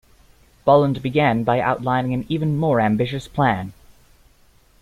Bolland began by outlining an even more ambitious plan.